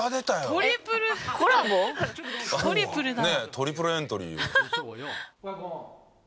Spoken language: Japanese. トリプルエントリーよ。